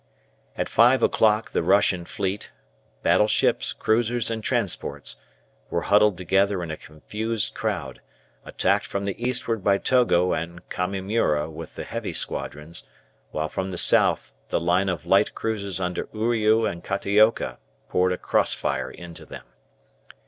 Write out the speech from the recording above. At five o'clock the Russian fleet, battleships, cruisers, and transports, were huddled together in a confused crowd, attacked from the eastward by Togo and Kamimura with the heavy squadrons, while from the south the line of light cruisers under Uriu and Kataoka poured a cross fire into them.